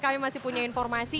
kami masih punya informasi